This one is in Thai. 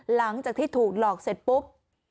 หลังจากที่ถูกหลอกเสร็จปุ๊บ